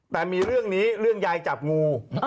แต่มีเรื่องนี้เรื่องยายจับงู